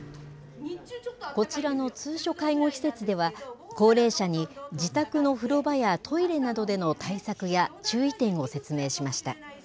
こちらの通所介護施設では、高齢者に自宅の風呂場やトイレなどでの対策や注意点を説明しました。